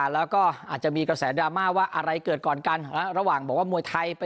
แล้วก็อาจจะมีกระแสดราม่าว่าอะไรเกิดก่อนกันระหว่างบอกว่ามวยไทย